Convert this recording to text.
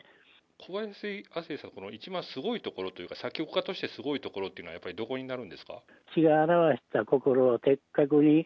小林亜星さんの一番すごいところというのは、作曲家としてすごいところっていうのは、やっぱりどこになるんですか？